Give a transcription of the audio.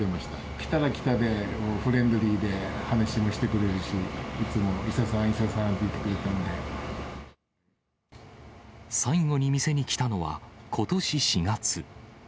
来たら来たで、フレンドリーで話もしてくれるし、いつも伊佐さん、最後に店に来たのはことし４月。